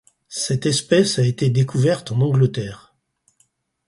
Cette espèce a été découverte en Angleterre.